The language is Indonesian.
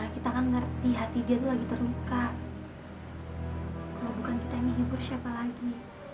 kita kan ngerti hati dia itu lagi terluka kalau bukan kita ini hibur siapa lagi